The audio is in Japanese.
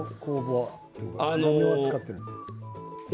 何を作ってるの？